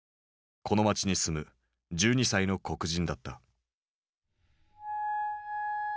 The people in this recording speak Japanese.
この町に住む１２歳の黒人だった。